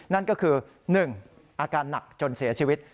นั่นก็คือ๑อาการหนักจนเสียชีวิต